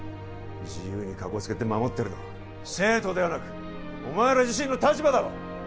自由にかこつけて守ってるのは生徒ではなくお前ら自身の立場だろ！